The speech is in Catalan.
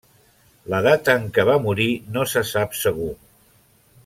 La data en què va morir no se sap segur.